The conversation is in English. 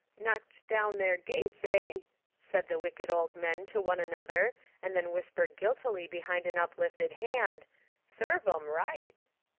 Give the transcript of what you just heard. "Knocked down their gates, eh?" said the wicked old men to one another, and then whispered guiltily behind an uplifted hand, "Serve 'em right."